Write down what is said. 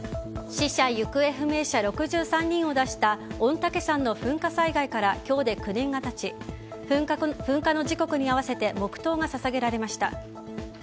死者・行方不明者６３人を出した御嶽山の噴火災害から今日で９年が経ち噴火の時刻に合わせて黙祷がささげられました。